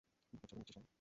বুকের ছবি নিচ্ছিস কেন?